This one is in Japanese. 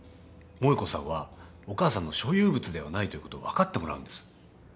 萠子さんはお母さんの所有物ではないということを分かってもらうんです。